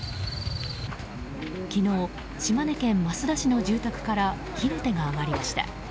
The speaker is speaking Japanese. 昨日、島根県益田市の住宅から火の手が上がりました。